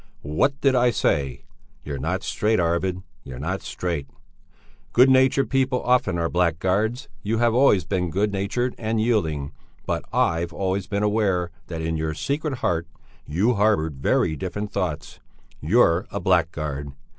What did I say? You're not straight, Arvid, you are not straight. Good natured people often are blackguards; you have always been good natured and yielding, but I've always been aware that in your secret heart you harboured very different thoughts; you're a blackguard!